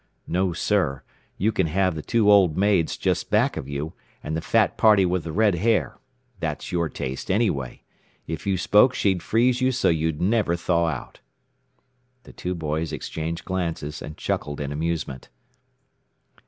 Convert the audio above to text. No, sir. You can have the two old maids just back of you, and the fat party with the red hair. That's your taste anyway.... If you spoke she'd freeze you so you'd never thaw out." The two boys exchanged glances, and chuckled in amusement.